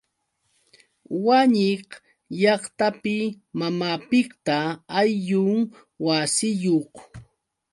Wañik llaqtapi mamapiqta ayllun wasiyuq.